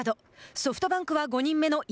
ソフトバンクは５人目の岩嵜。